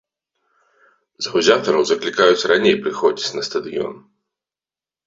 Заўзятараў заклікаюць раней прыходзіць на стадыён.